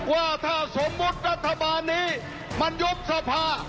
ว่าถ้าสมมุติรัฐบาลนี้มันยุบสภา